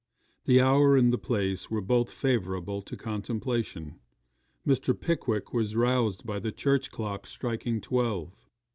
The hour and the place were both favourable to contemplation; Mr. Pickwick was roused by the church clock striking twelve.